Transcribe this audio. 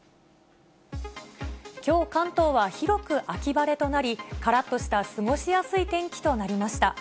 きょう、関東は広く秋晴れとなり、からっとした過ごしやすい天気となりました。